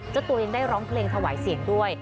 เจ้าตัวยังได้ร้องเพลงถวายเสียงด้วย